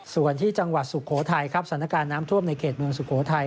ส่วนที่จังหวัดสุโขทัยครับสถานการณ์น้ำท่วมในเขตเมืองสุโขทัย